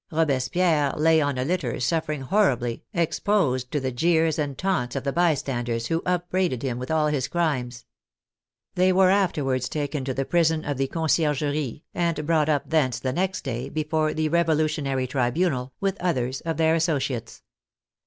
Robespierre lay on a litter suffering horribly, exposed to the jeers and taunts of the by standers, who upbraided him with all his crimes. They were afterwards taken to the prison of the Conciergerie, and brought up thence the next day before the Revolu tionary Tribunal, with others of their associates.